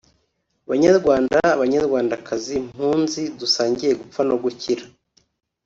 Banyarwanda Banyarwandakazi mpunzi dusangiye gupfa no gukira